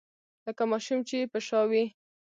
لکه ماشوم چې يې په شا وي.